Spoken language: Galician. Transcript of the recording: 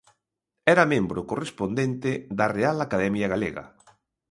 Era membro correspondente da Real Academia Galega.